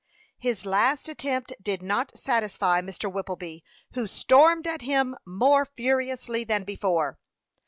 His last attempt did not satisfy Mr. Whippleby, who stormed at him more furiously than before.